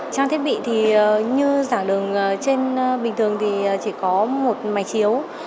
trang thiết bị thì như giảng đường trên bình thường thì chỉ có một máy chiếu